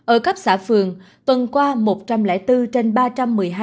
ở cấp xã phường tuần qua một trăm linh bốn tranh